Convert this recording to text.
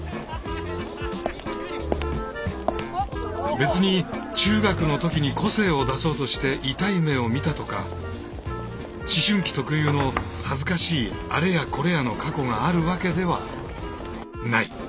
別に中学の時に個性を出そうとしてイタい目を見たとか思春期特有の恥ずかしいあれやこれやの過去があるわけではない。